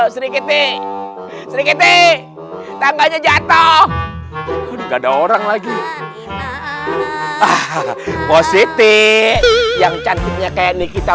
serikiti serikiti tangganya jatuh enggak ada orang lagi ah positi yang cantiknya kayak nikita